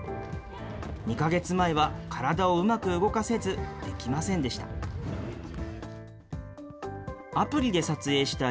２か月前は体をうまく動かせず、できませんでした。